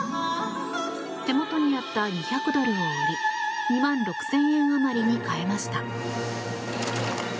手元にあった２００ドルを売り２万６０００円あまりに替えました。